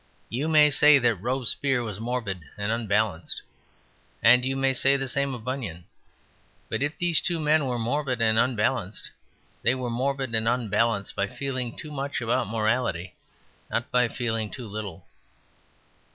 You may say that Robespierre was morbid and unbalanced, and you may say the same of Bunyan. But if these two men were morbid and unbalanced they were morbid and unbalanced by feeling too much about morality, not by feeling too little.